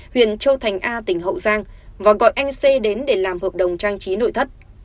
huyện châu thành a tỉnh hậu giang và gọi anh c đến để làm hợp đồng trang trí nội thất